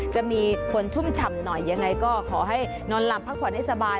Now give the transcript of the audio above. จะมีฝนชุ่มฉ่ำหน่อยยังไงก็ขอให้นอนหลับพักผ่อนให้สบาย